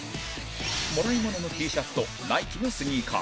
もらい物の Ｔ シャツと ＮＩＫＥ のスニーカー